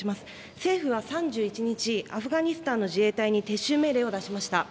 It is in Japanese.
政府は３１日、アフガニスタンの自衛隊に撤収命令を出しました。